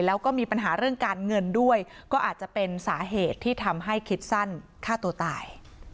แล้วก็มีปัญหาเรื่องการเงินด้วยก็อาจจะเป็นสาเหตุที่ทำให้คิดสั้นฆ่าตัวตาย